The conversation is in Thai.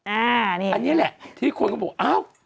อันนี้แหละที่คนก็บอกอ้าว